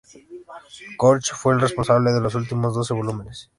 Koch fue el responsable de los últimos doce volúmenes.